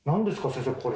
先生これ。